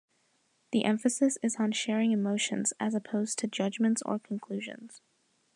The emphasis is on sharing emotions, as opposed to judgments or conclusions.